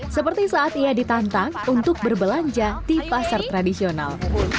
seperti saat ia ditantang untuk berbelanja di pasar tradisional